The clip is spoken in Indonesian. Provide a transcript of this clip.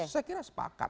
saya kira sepakat